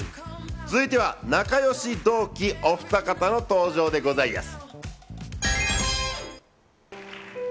続いては、仲よし同期、おふた方の登場でございやす。